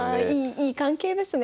いい関係ですね。